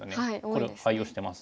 これを愛用してます。